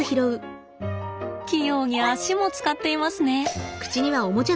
器用に足も使っていますね。